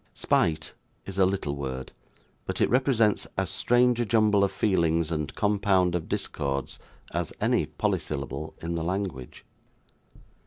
Spite is a little word; but it represents as strange a jumble of feelings, and compound of discords, as any polysyllable in the language.